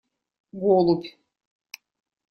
Голубь!